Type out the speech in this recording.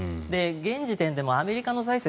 現時点でもアメリカの財政